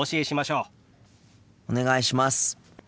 お願いします。